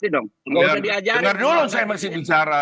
dengar dulu saya masih bicara